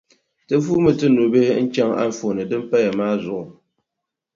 Ti vuumi ti nubihi n-chaŋ anfooni din paya maa zuɣu.